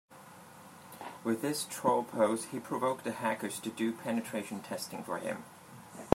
With his troll post he provoked the hackers to do penetration testing for him.